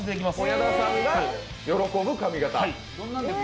矢田さんが喜ぶ髪型。